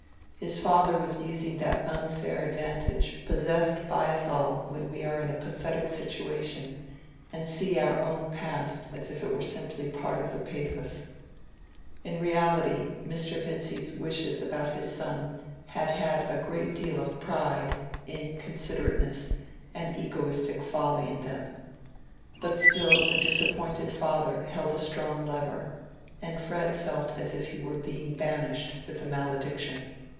His father was using that unfair advantage possessed by us all when we are in a pathetic situation and see our own past as if it were simply part of the pathos. In reality, Mr. Vincy's wishes about his son had had a great deal of pride, inconsiderateness, and egoistic folly in them. But still the disappointed father held a strong lever; and Fred felt as if he were being banished with a malediction.